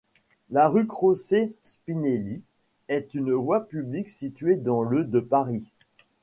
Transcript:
La rue Crocé-Spinelli est une voie publique située dans le de Paris.